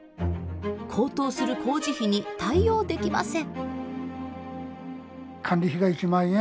高騰する工事費に対応できません。